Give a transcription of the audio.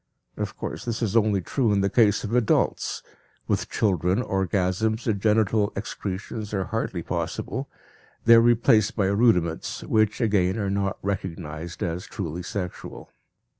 Of course, this is only true in the case of adults; with children orgasms and genital excretions are hardly possible; they are replaced by rudiments which, again, are not recognized as truly sexual.